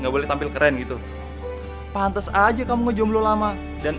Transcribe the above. bunda kamila kangen sama bunda